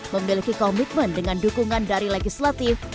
memiliki komitmen dengan dukungan dari legislatif